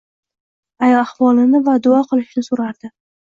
ahvolini va duo qilishini so'rardi.